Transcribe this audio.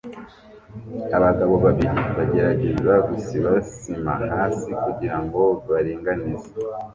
Abagabo babiri bagerageza gusiba sima hasi kugirango baringanize